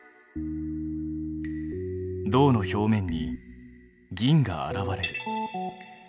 銅の表面に銀が現れる。